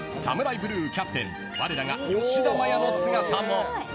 ブルーキャプテンわれらが吉田麻也の姿も。